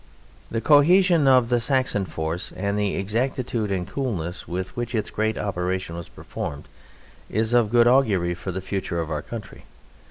The cohesion of the Saxon force and the exactitude and coolness with which its great operation was performed is of good augury for the future of our country.